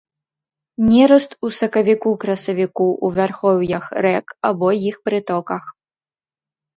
Нераст у сакавіку-красавіку ў вярхоўях рэк або іх прытоках.